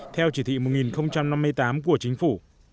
theo chỉ thị một nghìn năm mươi tám của chính phủ